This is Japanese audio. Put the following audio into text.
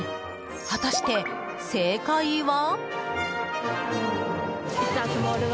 果たして正解は。